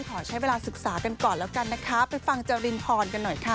ขอใช้เวลาศึกษากันก่อนแล้วกันนะคะไปฟังจรินพรกันหน่อยค่ะ